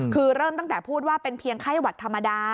คือเริ่มตั้งแต่พูดว่าเป็นเพียงไข้หวัดธรรมดา